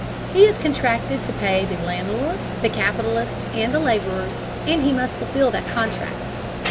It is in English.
He has contracted to pay the landlord, the capitalist, and the laborers, and he must fulfill that contract.